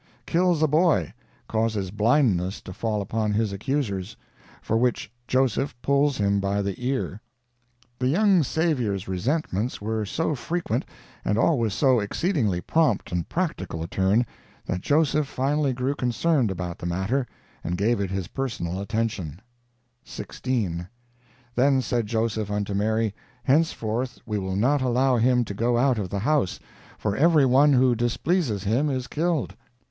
"Kills a boy; causes blindness to fall upon his accusers, for which Joseph pulls him by the ear." The young Savior's resentments were so frequent, and always of so exceedingly prompt and practical a turn, that Joseph finally grew concerned about the matter and gave it his personal attention: "16. Then said Joseph unto Mary, henceforth we will not allow him to go out of the house, for everyone who displeases him is killed."